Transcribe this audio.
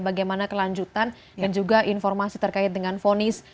bagaimana kelanjutan dan juga informasi terkait dengan fonis